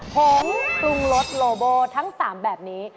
ผงปรุงรสโลโบทั้ง๓แบบนี้